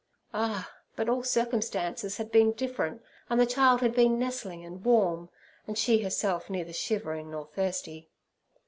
Ah! but all circumstances had been different, and the child had been nestling and warm, and she herself neither shivering nor thirsty.